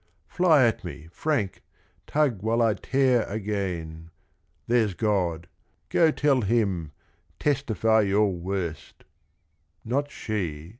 Fly at me frank, tug while I tear again ! There 's God, go tell Him, testify your worst I Not she